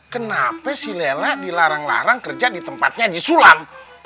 kenapa si lela dilarang larang kerja di tempatnya di sulam